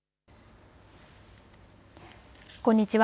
こんにちは。